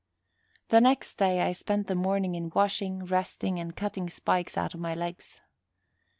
The next day, I spent the morning in washing, resting, and cutting spikes out of my legs.